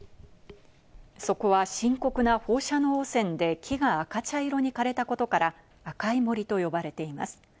そこは深刻な放射能汚染で木が赤茶色に枯れたことから赤い森と呼ばれています。